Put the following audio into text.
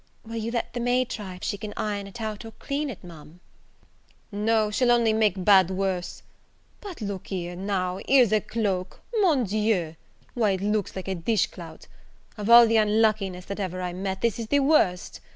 "Will you let the maid try if she can iron it out, or clean it, Ma'am?" "No, she'll only make bad worse. But look here, now, here's a cloak! Mon Dieu! why it looks like a dish clout! Of all the unluckiness that ever I met, this is the worst!